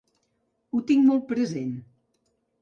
Ho tinc molt present.